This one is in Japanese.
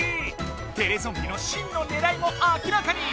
テレゾンビのしんのねらいも明らかに！